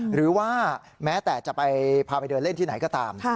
หรือว่าแม้แต่จะไปพาไปเดินเล่นที่ไหนก็ตาม